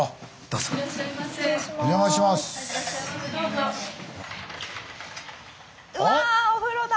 うわお風呂だ！